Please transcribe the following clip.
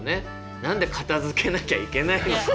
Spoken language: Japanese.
「何で片づけなきゃいけないのか？」。